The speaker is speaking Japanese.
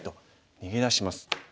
逃げ出します。